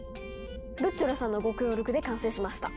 ルッチョラさんのご協力で完成しました。